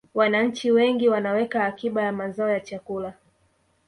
wananchi wengi wanaweka akiba ya mazao ya chakula